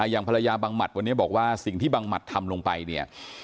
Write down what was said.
อย่างภรรยาบังหมัดวันนี้บอกว่าสิ่งที่บังหมัดทำลงไปเนี่ย